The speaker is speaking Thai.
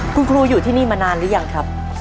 คุณครูอยู่ที่นี่มานานหรือยังครับ